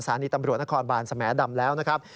สถานีตำรวจนครบานเสมอดำแล้วนะครับ